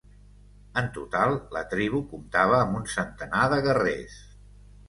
En total, la tribu comptava amb un centenar de guerrers.